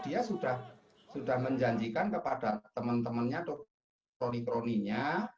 dia sudah menjanjikan kepada teman temannya